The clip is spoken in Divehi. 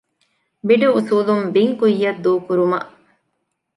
ބިޑު އުސޫލުން ބިން ކުއްޔަށް ދޫކުރުމަށް